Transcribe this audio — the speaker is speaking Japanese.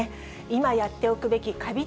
今やっておくべきかび